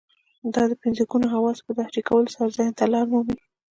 دا د پنځه ګونو حواسو په تحريکولو سره ذهن ته لار مومي.